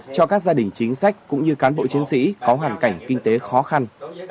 cho các gia đình chính sách cũng như cán bộ chiến sĩ có hoàn cảnh kinh tế khó khăn